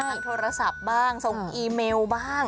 โทรศัพท์บ้างส่งอีเมลบ้าง